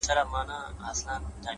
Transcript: هغه اوس گل ماسوم په غېږه كي وړي!